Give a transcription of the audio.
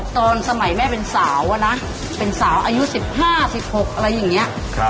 ตอนสมัยแม่เป็นสาวอะนะเป็นสาวอายุ๑๕๑๖อะไรอย่างนี้